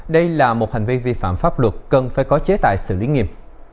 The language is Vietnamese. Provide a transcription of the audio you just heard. đây là một hành vi vi phạm pháp luật cần phải có chế tài xử lý nghiệp